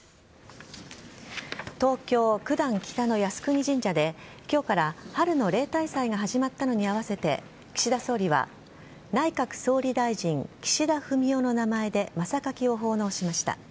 東京・九段北の靖国神社で今日から春の例大祭が始まったのに合わせて岸田総理は内閣総理大臣・岸田文雄の名前で真榊を奉納しました。